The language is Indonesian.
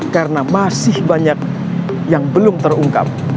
karena masih banyak yang belum terungkap